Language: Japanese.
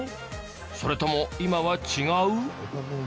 それとも今は違う？